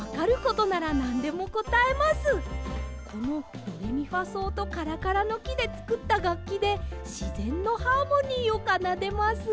このドレミファそうとカラカラのきでつくったがっきでしぜんのハーモニーをかなでます。